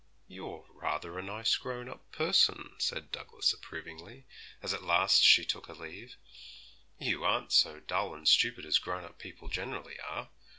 'You're rather a nice grown up person,' said Douglas approvingly, as at last she took her leave; 'you aren't so dull and stupid as grown up people generally are!